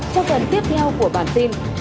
trong phần tiếp theo của bản tin